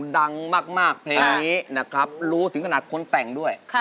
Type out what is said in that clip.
ดังมากเพลงนี้นะครับรู้ถึงขนาดคนแต่งด้วย